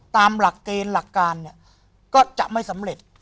ตามหลักเกณฑ์หรือหลักการก็จะไม่สำเร็จ